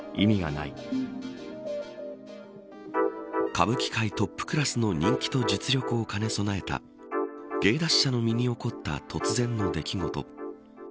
歌舞伎界トップクラスの人気と実力を兼ね備えた芸達者の身に起こった突然の出来事。